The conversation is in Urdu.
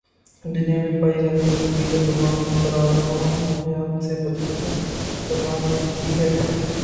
دنیا میں پائی جانے والی دیگر تمام تر انواع حیات سے برتر دماغ رکھتی ہے